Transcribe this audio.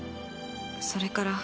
それから。